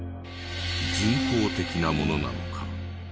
人工的なものなのか？